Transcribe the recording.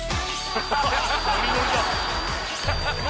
ノリノリだノ